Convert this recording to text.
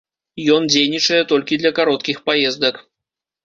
Ён дзейнічае толькі для кароткіх паездак.